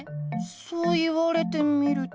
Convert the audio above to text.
そう言われてみると。